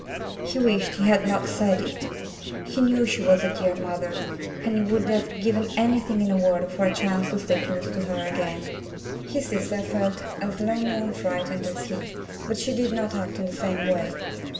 He wished he had not said it. He knew she was a dear mother, and he would have given anything in the world for a chance to stay close to her again. His sister felt as lonely and frightened as he, but she did not act in the same way.